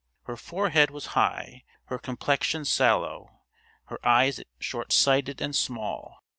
Her forehead was high, her complexion sallow, her eyes short sighted and small.